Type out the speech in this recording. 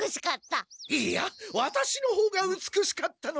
いいやワタシのほうがうつくしかったのだ！